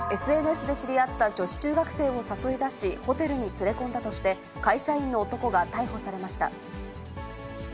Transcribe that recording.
ＳＮＳで知り合った女子中学生を誘い出し、ホテルに連れ込んだとして、会社員の男が逮捕されました。